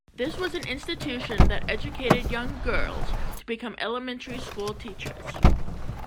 This was an institution that educated young girls to become elementary school teachers.